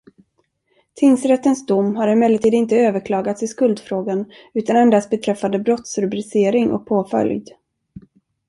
Tingsrättens dom har emellertid inte överklagats i skuldfrågan, utan endast beträffande brottsrubricering och påföljd.